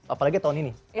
apalagi tahun ini